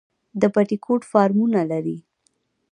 د بټي کوټ فارمونه لري